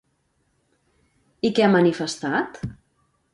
I què ha manifestat?